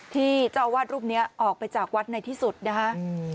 ที่เจ้าอาวาสรูปนี้ออกไปจากวัดในที่สุดนะคะ